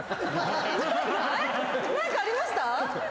何かありました？